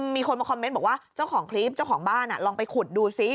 มีคนมาคอมเมนต์บอกว่าเจ้าของคลิปเจ้าของบ้านลองไปขุดดูซิ